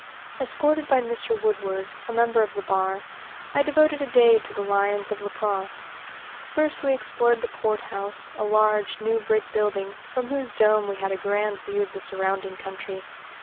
Escorted by Mr. Woodward, a member of the bar, I devoted a day to the lions of La Crosse. First we explored the courthouse, a large, new brick building, from whose dome we had a grand view of the surrounding country.